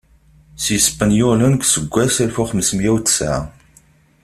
S Yispenyulen deg useggas alef u xems mya u tesɛa.